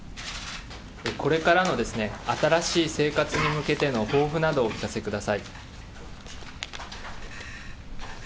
これからの新しい生活に向けての抱負などをお聞かせください。